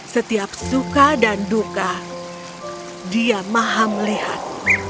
setiap suka dan duka dia maha melihat